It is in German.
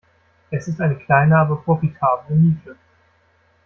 Es ist eine kleine aber profitable Nische.